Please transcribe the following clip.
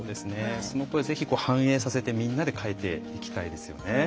その声ぜひ反映させてみんなで変えていきたいですよね。